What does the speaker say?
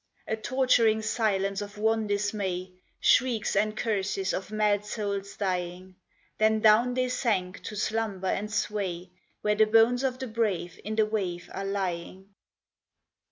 A torturing silence of wan dismay Shrieks and curses of mad souls dying Then down they sank to slumber and sway Where the bones of the brave in the wave are lying.